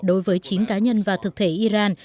đối với chín cá nhân và thực thể iran